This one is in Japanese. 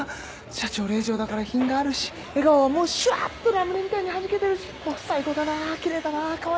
社長令嬢だから品があるし笑顔はもうシュワッとラムネみたいにはじけてるし最高だなぁ奇麗だなぁカワイイなぁ。